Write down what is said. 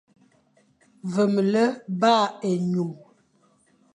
Vemle mba ényum.